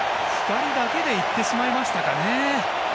２人だけで行ってしまいましたかね。